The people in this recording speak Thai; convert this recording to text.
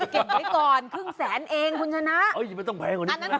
เก็บไว้ก่อนคึ่งแสนเองคุณชนะเอ้ยไม่ต้องแพงเหรอ